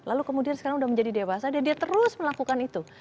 lalu kemudian sekarang sudah menjadi dewasa dan dia terus melakukan itu